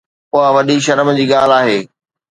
اها وڏي شرم جي ڳالهه آهي